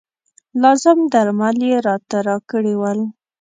لازم درمل یې راته راکړي ول.